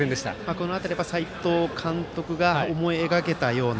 この辺り、斎藤監督が思い描けたような